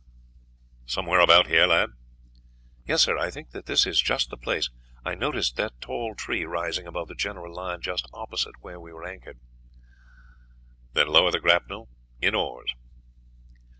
"Somewhere about here, lad?" "Yes, sir, I think that this is just the place. I noticed that tall tree rising above the general line just opposite where we were anchored." "Then lower the grapnel; in oars."